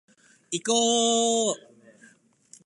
いこーーーーーーぉ